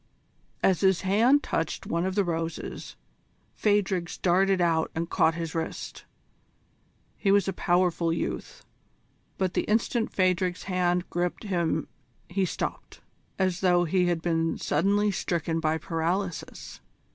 As his hand touched one of the roses, Phadrig's darted out and caught his wrist. He was a powerful youth, but the instant Phadrig's hand gripped him he stopped, as though he had been suddenly stricken by paralysis.